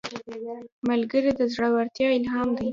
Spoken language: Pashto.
ملګری د زړورتیا الهام دی